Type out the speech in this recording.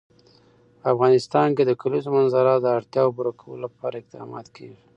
په افغانستان کې د د کلیزو منظره د اړتیاوو پوره کولو لپاره اقدامات کېږي.